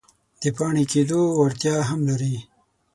د پاڼې کیدو وړتیا هم لري.